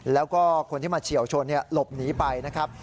แล้วก็คนที่มาเฉียวชนหลบหนีไปนะครับ